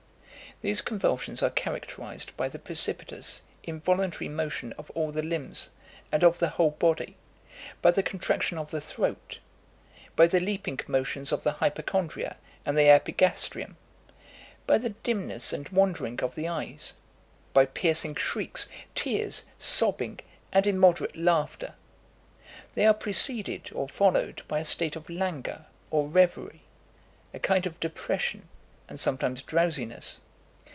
These convulsions are characterised by the precipitous, involuntary motion of all the limbs, and of the whole body; by the contraction of the throat by the leaping motions of the hypochondria and the epigastrium by the dimness and wandering of the eyes by piercing shrieks, tears, sobbing, and immoderate laughter. They are preceded or followed by a state of langour or reverie, a kind of depression, and sometimes drowsiness.